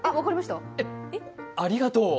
ありがとう。